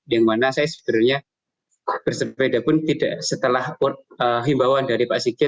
yang mana saya sebetulnya bersepeda pun tidak setelah himbauan dari pak sigit